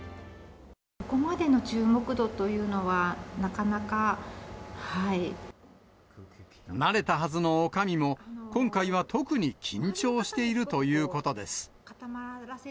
ここまでの注目度というのは、慣れたはずのおかみも、今回は特に緊張しているということです。